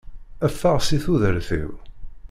Ffeɣ si tudert-iw!